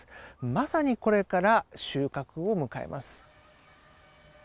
まさにこれから収穫を迎えます。